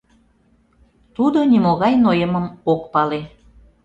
Тудо нимогай нойымым ок пале.